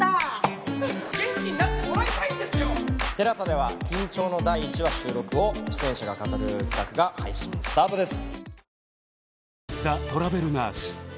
ＴＥＬＡＳＡでは緊張の第１話収録を出演者が語る企画が配信スタートです。